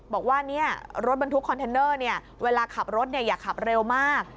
บอกว่ารถบรรทุกคอนเทนเนอร์เวลาขับรถอย่าขับเร็วมาก